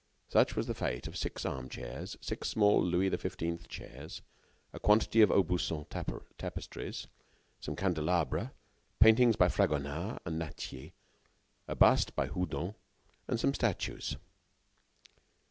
Such was the fate of six armchairs, six small Louis XV chairs, a quantity of Aubusson tapestries, some candelabra, paintings by Fragonard and Nattier, a bust by Houdon, and some statuettes.